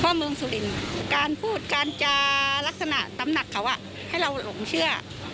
เมืองสุรินทร์การพูดการจารักษณะตำหนักเขาให้เราหลงเชื่อ